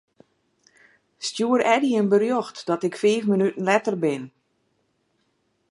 Stjoer Eddy in berjocht dat ik fiif minuten letter bin.